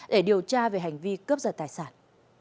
để điều tra về hành vi cướp giật tài sản